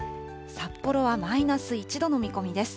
札幌はマイナス１度の見込みです。